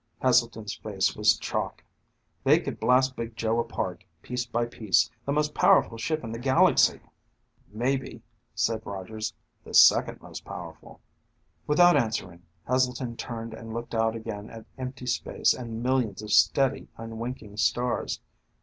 Heselton's face was chalk. "They could blast Big Joe apart, piece by piece the most powerful ship in the galaxy." "Maybe," said Rogers, "the second most powerful." Without answering, Heselton turned and looked out again at empty space and millions of steady, unwinking stars.